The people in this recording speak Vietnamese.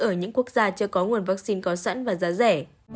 ở những quốc gia chưa có nguồn vaccine có sẵn và giá rẻ